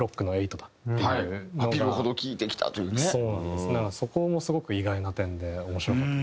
だからそこもすごく意外な点で面白かったですね。